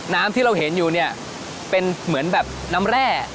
น้ำที่เราเห็นอยู่เนี่ยเป็นเหมือนแบบน้ำแร่